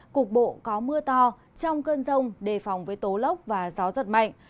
cục bộ có mưa to trong cơn rông đề phòng với tố lốc và gió giật mạnh